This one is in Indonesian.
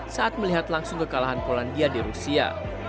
saat melihat langsung kekalahan polandia di rusia